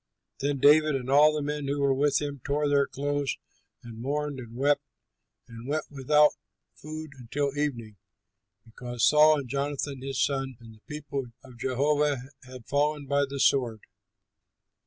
Then David and all the men who were with him tore their clothes and mourned and wept and went without food until evening, because Saul and Jonathan his son and the people of Jehovah had fallen by the sword.